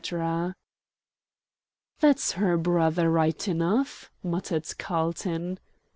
"That's the brother, right enough," muttered Carlton.